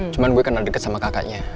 cuma gue kenal deket sama kakaknya